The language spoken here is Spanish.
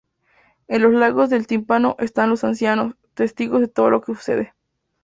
En los lados del tímpano están los ancianos, testigos de todo lo que sucede.